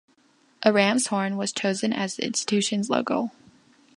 A ram's horn was chosen as the institution's logo.